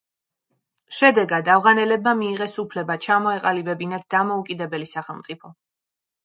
შედეგად ავღანელებმა მიიღეს უფლება ჩამოეყალიბებინათ დამოუკიდებელი სახელმწიფო.